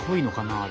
あれ。